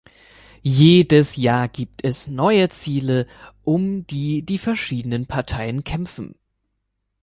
Jedes Jahr gibt es neue Ziele, um die die verschiedenen Parteien kämpfen.